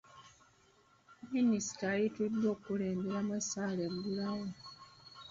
Minisita yayitiddwa okukulemberamu essaala eggulawo.